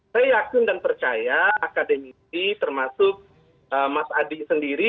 saya yakin dan percaya akademisi termasuk mas adi sendiri